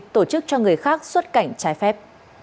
tổ chức cho người khác xuất cảnh trái phép